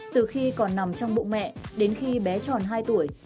từ khi còn nằm trong bụng mẹ đến khi bé tròn hai tuổi